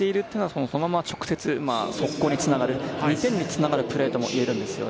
そのまま直接速攻につながる、２点につながるプレーとも言えます。